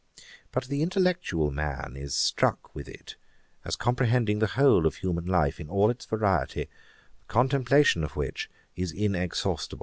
But the intellectual man is struck with it, as comprehending the whole of human life in all its variety, the contemplation of which is inexhaustible.